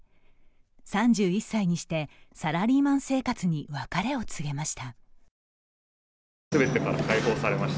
３１歳にしてサラリーマン生活に別れを告げました。